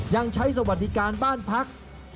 ยังใช้สวัสดิการบ้านพัก